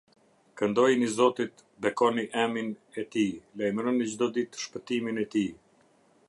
Këndojini Zotit, bekoni emin e tij; lajmëroni çdo ditë shpëtimin e tij.